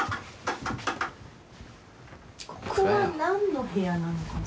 ここは何の部屋なのかしら？